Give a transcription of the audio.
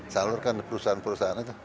salurkan perusahaan perusahaan itu